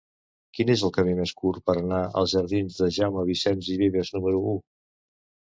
Quin és el camí més curt per anar als jardins de Jaume Vicens i Vives número u?